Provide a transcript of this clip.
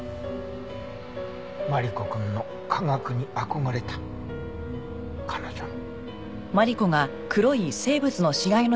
マリコくんの科学に憧れた彼女の。